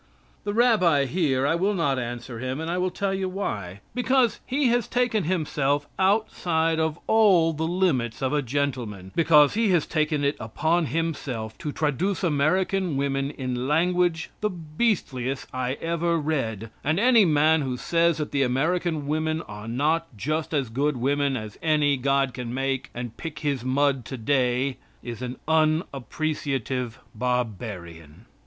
The rabbi here, I will not answer him, and I will tell you why. Because he has taken himself outside of all the limits of a gentleman; because he has taken it upon himself to traduce American women in language the beastliest I ever read; and any man who says that the American women are not just as good women as any God can make and pick his mud today, is an unappreciative barbarian.